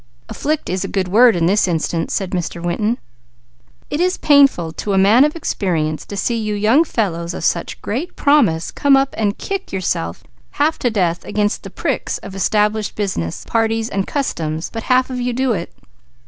"'Afflict' is a good word in this instance," said Mr. Winton. "It is painful to a man of experience to see you young fellows of such great promise come up and 'kick' yourself half to death 'against the pricks' of established business, parties, and customs, but half of you do it.